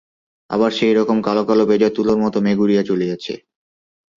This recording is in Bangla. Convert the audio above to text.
আবার সেই রকম কালো কালো পেঁজা তুলোর মতো মেঘ উড়িয়া চলিয়াছে।